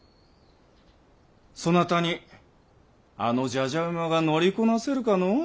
そなたにあのじゃじゃ馬が乗りこなせるかのう。